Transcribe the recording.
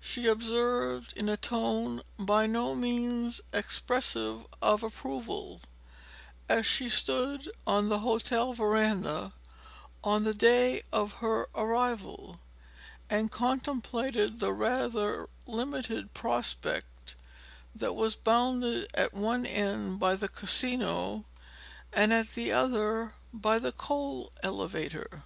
she observed in a tone by no means expressive of approval as she stood on the hotel veranda on the day of her arrival, and contemplated the rather limited prospect that was bounded at one end by the Casino and at the other by the coal elevator.